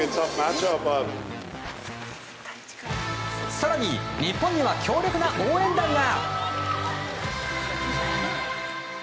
更に、日本には強力な応援団が。